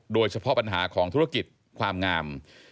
โดยเฉพาะปัญหาของธุรกิจความงาม